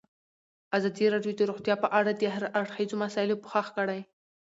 ازادي راډیو د روغتیا په اړه د هر اړخیزو مسایلو پوښښ کړی.